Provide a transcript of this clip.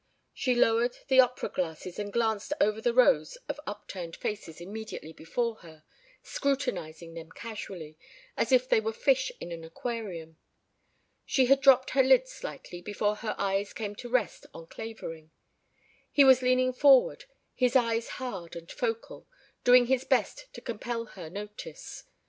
She lowered the opera glasses and glanced over the rows of upturned faces immediately before her, scrutinizing them casually, as if they were fish in an aquarium. She had dropped her lids slightly before her eyes came to rest on Clavering. He was leaning forward, his eyes hard and focal, doing his best to compel her notice.